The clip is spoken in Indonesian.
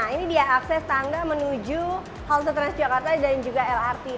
nah ini dia akses tangga menuju halte transjakarta dan juga lrt